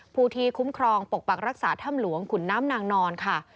ผู้ที่คุ้มครองปกปักรักษาถ้ำหลวงขุนน้ำนางนอนค่ะ